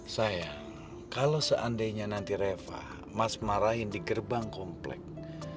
saya kalau seandainya nanti reva mas marahin di gerbang komplek